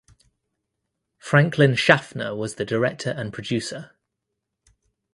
Franklin Schaffner was the director and producer.